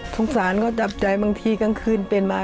สงสารก็จับใจบางทีกลางคืนเป็นมา